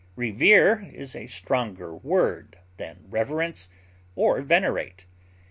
Revere is a stronger word than reverence or venerate.